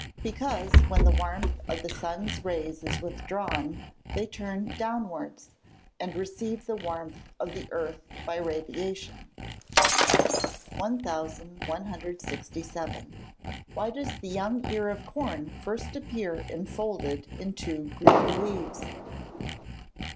_ Because, when the warmth of the son's rays is withdrawn, they turn downwards, and receive the warmth of the earth by radiation. 1167. _Why does the young ear of corn first appear enfolded in two green leaves?